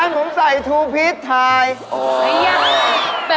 เห้ยแฟนผมใส่ชีวิตหน้าจะกิน